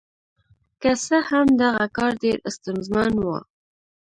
که څه هم دغه کار ډېر ستونزمن و.